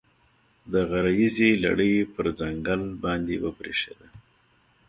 د غره ییزې لړۍ پر ځنګل باندې وبرېښېده.